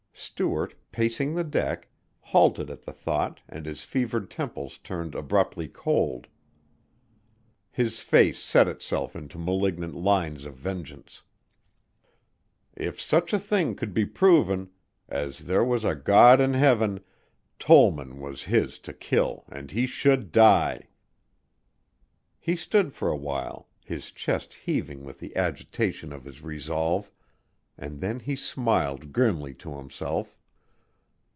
Stuart, pacing the deck, halted at the thought and his fevered temples turned abruptly cold. His face set itself into malignant lines of vengeance. If such a thing could be proven as there was a God in Heaven Tollman was his to kill and he should die! He stood for a while, his chest heaving with the agitation of his resolve and then he smiled grimly to himself.